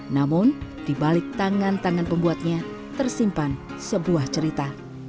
namun di balik tangan tangan pembuatnya tersimpan sebuah cerita